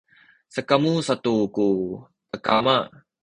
sakamu satu ku kakama